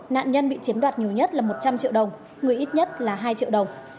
nạn nhân bị chiếm đoạt nhiều nhất là một trăm linh triệu đồng người ít nhất là hai triệu đồng